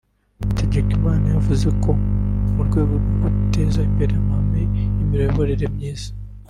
Hategekimana yavuze ko mu rwego rwo guteza imbere amahame y’imiyoborere myiza